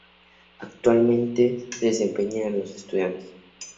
Actualmente se desempeña en Estudiantes.